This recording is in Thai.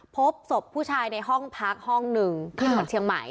พบศพผู้ชายในห้องพักห้องหนึ่งที่จังหวัดเชียงใหม่